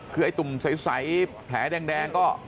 คือไอ้ตุ่มใสแผลแดงก็